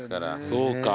そうか。